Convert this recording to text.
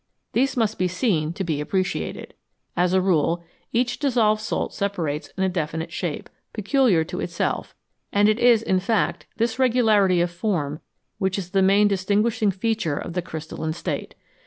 These must be seen to be appreciated. As a rule, each dissolved salt separates in a definite shape, peculiar to itself, and it is, in fact, this regularity of form which is the main distinguishing feature of the crystalline state.